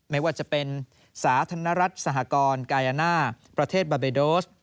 ไม่ว่าจะเป็นสาธารณรัฐสหกรกายาน่าประเทศบาเบโดส